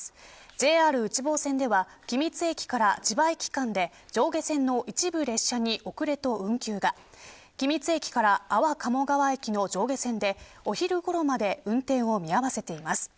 ＪＲ内房線では君津駅から千葉駅間で上下線の一部列車に遅れと運休が君津駅から安房鴨川駅の上下線でお昼ごろまで運転を見合わせています。